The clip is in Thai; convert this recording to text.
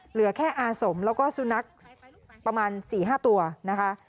เหลือแค่อาสมแล้วก็สุนัขประมาณ๔๕ตัวนะคะ